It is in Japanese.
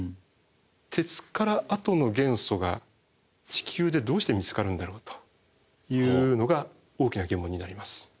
鉄からあとの元素が地球でどうして見つかるんだろうというのが大きな疑問になります。